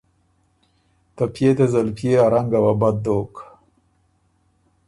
ته پئے ته زلپئے ا رنګه وه بد دوک“